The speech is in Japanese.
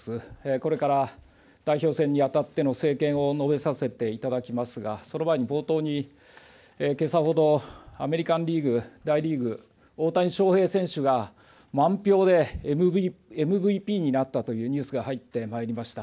これから代表選にあたっての政見を述べさせていただきますが、その前に冒頭に、けさほど、アメリカンリーグ大リーグ、大谷翔平選手が満票でＭＶＰになったというニュースが入ってまいりました。